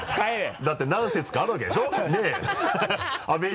だって何節かあるわけでしょ？ねぇ